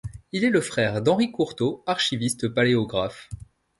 Il est le frère d'Henri Courteault, archiviste paléographe.